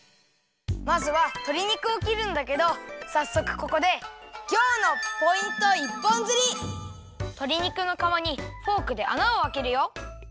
まずはとり肉をきるんだけどさっそくここでとり肉のかわにフォークであなをあけるよ。